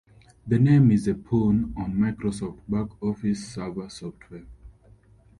The name is a pun on Microsoft BackOffice Server software.